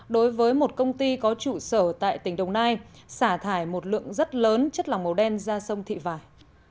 đối với một công ty có trụ sở tại tỉnh đồng nai xả thải một lượng rất lớn chất lòng màu đen ra sông thị vải